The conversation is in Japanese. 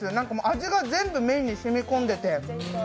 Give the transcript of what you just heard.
味が全部麺に染み込んでて。